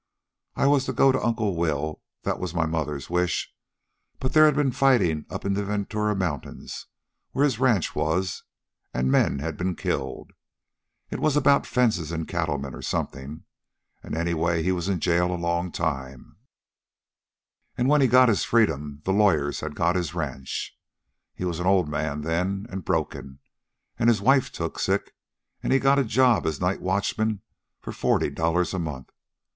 I was to go to Uncle Will that was my mother's wish; but there had been fighting up in the Ventura Mountains where his ranch was, and men had been killed. It was about fences and cattlemen or something, and anyway he was in jail a long time, and when he got his freedom the lawyers had got his ranch. He was an old man, then, and broken, and his wife took sick, and he got a job as night watchman for forty dollars a month.